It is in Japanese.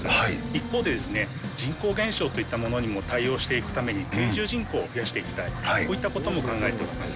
一方で、人口減少といったものにも対応していくために、定住人口を増やしていきたい、こういったことも考えております。